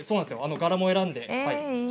柄も選んで。